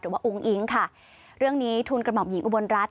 ว่าอุ้งอิ๊งค่ะเรื่องนี้ทุนกระห่อมหญิงอุบลรัฐ